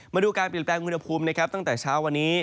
มาดูการเปลี่ยนแปลงอุณหภูมินะครับตั้งแต่เช้าวันนี้